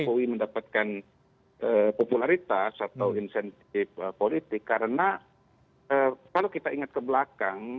pak jokowi mendapatkan popularitas atau insentif politik karena kalau kita ingat ke belakang